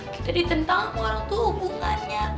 kita ditentang sama orang tua hubungannya